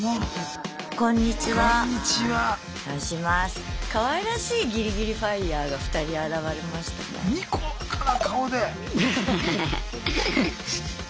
かわいらしいギリギリＦＩＲＥが２人現れましたが。